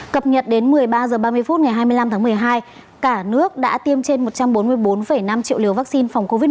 cập nhật đến một mươi ba h ba mươi phút ngày hai mươi năm tháng một mươi hai cả nước đã tiêm trên một trăm bốn mươi bốn năm triệu liều vaccine phòng covid một mươi